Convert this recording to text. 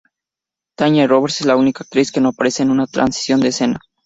Tanya Roberts es la único actriz que no aparece en una transición de escena.